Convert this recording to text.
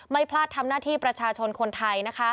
ไม่พลาดทำหน้าที่ประชาชนคนไทย